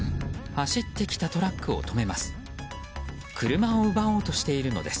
走ってきたトラックを止めます。